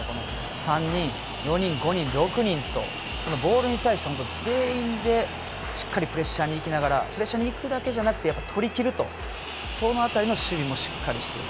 ３人、４人、５人、６人とボールに対して本当全員でしっかりプレッシャーにいきながらプレッシャーにいくだけじゃなくてやっぱり取りきるとそのあたりの守備もしっかりしている。